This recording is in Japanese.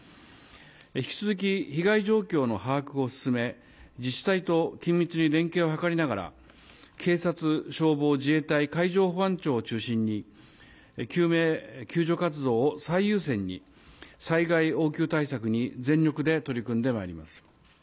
引き続き被害状況の把握を進め、自治体と緊密に連携を図りながら、警察、消防、自衛隊、海上保安庁を中心に、救命救助活動を最優先に、災害応急対策に全力で取り組んでまいります。